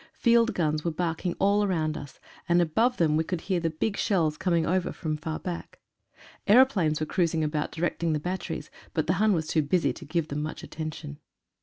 Field guns were barking all round us and above them we could hear the big shells coming over from far back. Aeroplanes were cruising about directing the batteries, but the Hun was too busy to give them much attention.